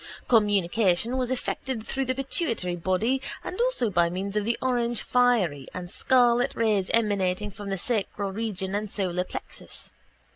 Communication was effected through the pituitary body and also by means of the orangefiery and scarlet rays emanating from the sacral region and solar plexus.